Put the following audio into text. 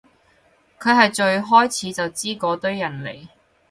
佢係最開始就知嗰堆人嚟